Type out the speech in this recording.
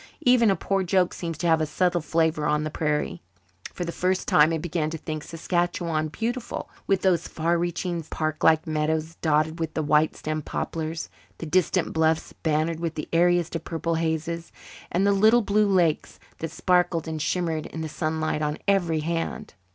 Even a poor joke seems to have a subtle flavour on the prairie. For the first time I began to think Saskatchewan beautiful, with those far reaching parklike meadows dotted with the white stemmed poplars, the distant bluffs bannered with the airiest of purple hazes, and the little blue lakes that sparkled and shimmered in the sunlight on every hand.